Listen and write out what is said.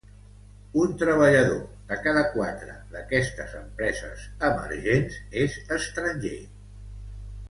Un treballador de cada quatre d’aquestes empreses emergents és estranger.